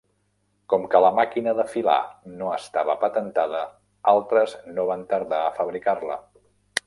Com que la màquina de filar no estava patentada, altres no van tardar a fabricar-la.